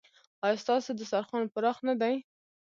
ایا ستاسو دسترخوان پراخ نه دی؟